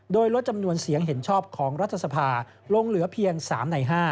โดยลดจำนวนเสียงเห็นชอบของรัฐสภาลงเหลือเพียง๓ใน๕